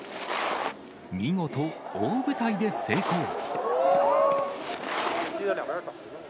見事、大舞台で成功。